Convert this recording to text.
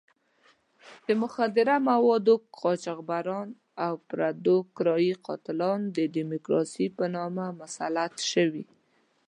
د مخدره موادو قاچاقبران او پردو کرایي قاتلان د ډیموکراسۍ په نامه مسلط شوي.